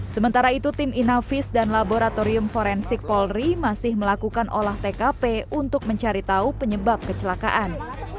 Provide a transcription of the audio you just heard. sementara itu tim inavis dan laboratorium forensik polri masih melakukan olah tkp untuk mencari tahu penyebab kecelakaan